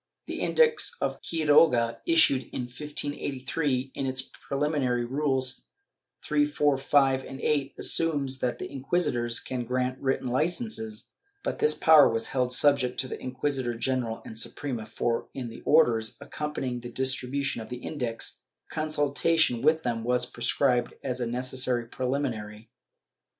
The Index of Quiroga, issued in 1583, in its preliminary rules 3, 4, 5 and 8, assumes that inquisitors can grant written licences, but this power was held subject to the inquisitor general and Suprema for, in the orders accompanying the distribution of the Index, consultation with them was prescribed as a necessary pre liminary.'